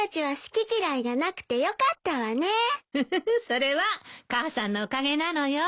それは母さんのおかげなのよ。